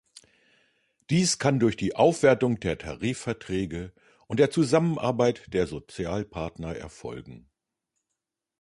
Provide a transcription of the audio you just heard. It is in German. Dies kann durch die Aufwertung der Tarifverträge und der Zusammenarbeit der Sozialpartner erfolgen.